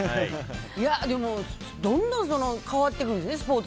でも、どんどん変わってくるんですね。